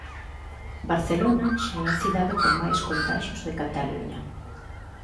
Barcelona xa é a cidade con máis contaxios de Cataluña.